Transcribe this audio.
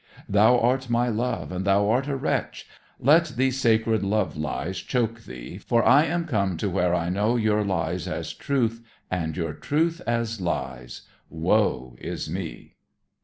Thou art my love, And thou art a wretch. Let these sacred love lies choke thee. For I am come to where I know your lies as truth And your truth as lies Woe is me.